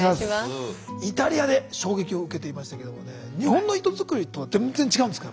イタリアで衝撃を受けていましたけどもね日本の糸づくりとは全然違うんですか？